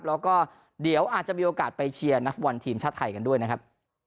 แล้วก็เดี๋ยวอาจจะมีโอกาสไปเชียร์นักฟุตบอลทีมชาติไทยกันด้วยนะครับ